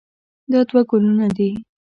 دا دوه ګلونه دي.